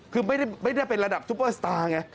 คือไม่ได้เป็นระดับซุปเปอร์สตาร์ไง